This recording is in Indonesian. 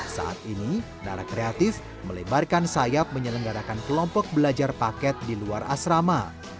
saat ini nara kreatif melebarkan sayap menyelenggarakan kelompok belajar paket di luar asrama